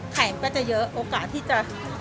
ไข่ก็จะเยอะโอกาสที่จะราคารดลดลงก็มี